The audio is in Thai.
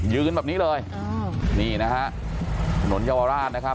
ยืนแบบนี้เลยนี่นะฮะถนนเยาวราชนะครับ